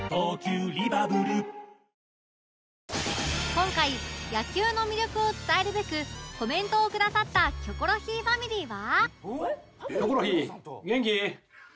今回野球の魅力を伝えるべくコメントをくださった『キョコロヒー』ファミリーは